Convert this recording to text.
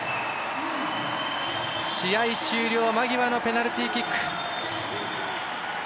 試合終了間際のペナルティーキック。